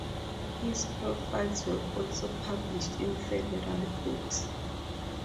His profiles were also published in several books.